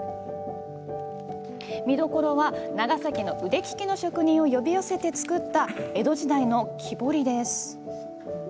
見どころは、長崎の腕利きの職人を呼び寄せて作った江戸時代の木彫りです。